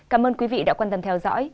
cảm ơn quý vị đã quan tâm theo dõi